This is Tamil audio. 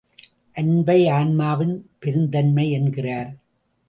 அன்பை ஆன்மாவின் பெருந்தன்மை என்கிறார்.